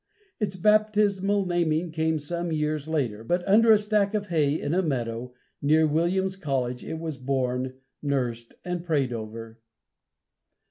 Its baptismal naming came some years later, but under a stack of hay in a meadow, near Williams College, it was born, nursed and prayed over.